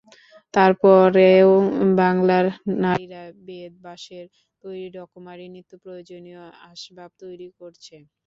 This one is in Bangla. তারপরেও বাংলার নারীরা বেত, বাঁশের তৈরি রকমারি নিত্যপ্রয়োজনীয় আসবাব তৈরি করছে।